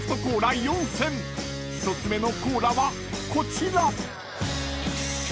［１つ目のコーラはこちら］